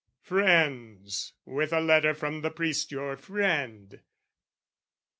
"Friends with a letter from the priest your friend."